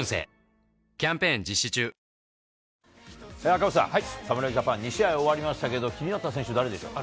赤星さん、侍ジャパン、２試合終わりましたけど、気になった選手、誰でしょう。